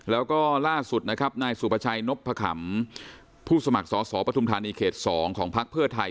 แล้วก็ล่าสุดนะครับนายสุภาชัยนพขำผู้สมัครสอสอปฐุมธานีเขต๒ของพักเพื่อไทย